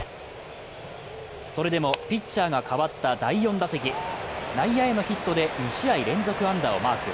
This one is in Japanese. それでもピッチャーが代わった第２打席、内野へのヒットで２試合連続安打をマーク。